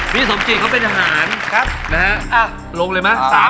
พี่สมจิตเค้าเป็นหาญนะฮะลงเลยมั้ยฮะครับ